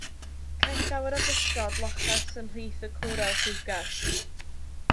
Caiff llawer o bysgod loches ymhlith y cwrel lliwgar.